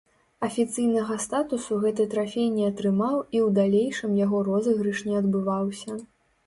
Афіцыйнага статусу гэты трафей не атрымаў і ў далейшым яго розыгрыш не адбываўся.